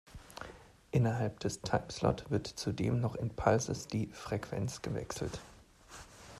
Innerhalb des Time Slot wird zudem noch in "pulses" die Frequenz gewechselt.